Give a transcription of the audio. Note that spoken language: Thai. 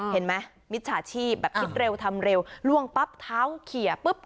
มิจฉาชีพแบบคิดเร็วทำเร็วล่วงปั๊บเท้าเขียปุ๊บ